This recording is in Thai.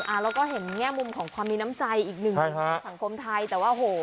อ่าแล้วก็เห็นแง่มุมของความมีน้ำใจอีกหนึ่งสังคมไทยแต่ว่าโอ้โห